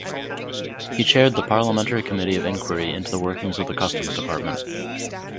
He chaired the Parliamentary Committee of Inquiry into the workings of the Customs Department.